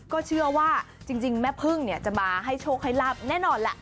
ก็เชื่อว่าจริงแม่พึ่งเนี่ยจะมาให้โชคให้ลาบแน่นอนแหละ